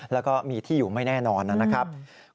แล้วก็มีที่อยู่ไม่แน่นอนนะครับ